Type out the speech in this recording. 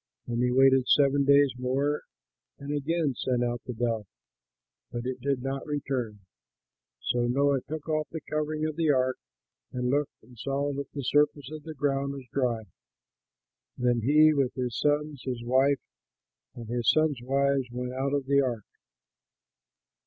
And he waited seven days more and again sent out the dove, but it did not return to him. So Noah took off the covering of the ark and looked and saw that the surface of the ground was dry. Then he, with his sons, his wife, and his sons' wives, went out of the ark.